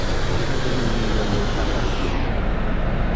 እግል ኢሊበሉክ በል።